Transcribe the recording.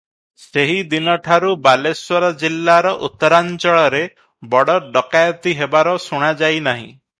ସେହି ଦିନ ଠାରୁ ବାଲେଶ୍ୱର ଜିଲ୍ଲାର ଉତ୍ତରାଞ୍ଚଳରେ ବଡ଼ ଡକାଏତି ହେବାର ଶୁଣା ଯାଇନାହିଁ ।